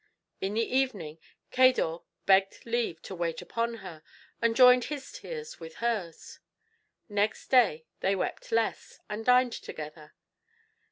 In the evening Cador begged leave to wait upon her, and joined his tears with hers. Next day they wept less, and dined together.